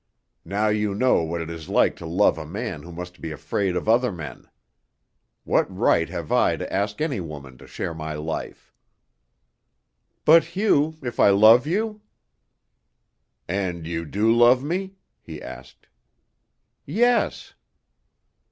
Now you know what it is like to love a man who must be afraid of other men. What right have I to ask any woman to share my life?" "But, Hugh if I love you?" "And you do love me?" he asked. "Yes."